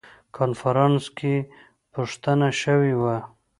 کنفرانس کې پوښتنه شوې وه.